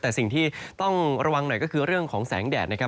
แต่สิ่งที่ต้องระวังหน่อยก็คือเรื่องของแสงแดดนะครับ